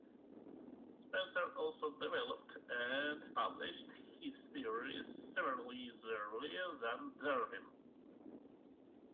Spencer also developed and published his theories several years earlier than Darwin.